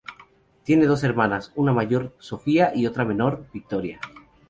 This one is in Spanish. Tiene dos hermanas: una mayor, Sofía y otra menor, Victoria.